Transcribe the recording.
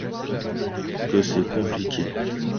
Que c’est compliqué.